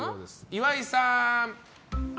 岩井さん！